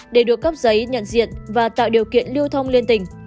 để được cấp giấy nhận diện và tạo điều kiện lưu thông liên tỉnh